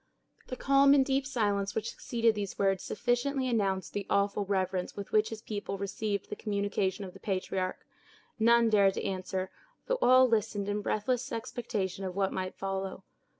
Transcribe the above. The calm and deep silence which succeeded these words sufficiently announced the awful reverence with which his people received the communication of the patriarch. None dared to answer, though all listened in breathless expectation of what might follow.